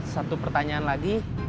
satu pertanyaan lagi